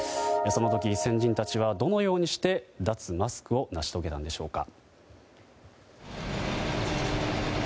その時、先人たちはどのようにして脱マスクを成し遂げたのでしょうか。